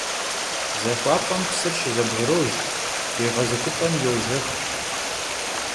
Zaxuap'em psır şızebgrojj, yêğezıxığuem — yojjex.